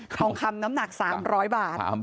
ทองคำน้ำหนัก๓๐๐บาท